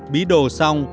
bí đổ xong